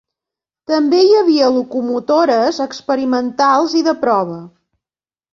També hi havia locomotores experimentals i de prova.